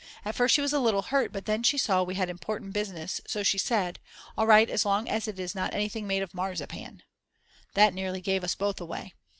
At first she was a little hurt, but then she saw that we had important business so she said: All right as long as it is not anything made of marzipan. That nearly gave us both away.